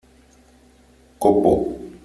¡ copo !